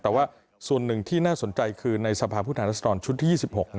แต่ว่าส่วนหนึ่งที่น่าสนใจคือในสภาพผู้แทนรัศดรชุดที่๒๖